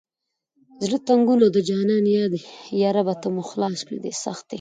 زړه تنګون او د جانان یاد یا ربه ته مو خلاص کړه دې سختي…